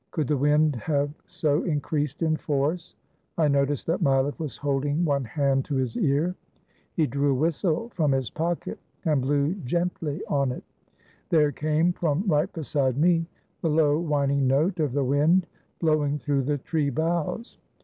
Could the wind have so increased in force? I noticed that Mileff was holding one hand to his ear. He drew a whistle from his pocket and blew gently on it. There came, from right beside me, the low whining note of the wind blowing through the tree boughs.